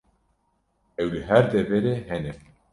Ew li her deverê hene.